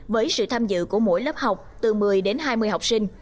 với sự tham dự của mỗi lớp học từ một mươi đến hai mươi học sinh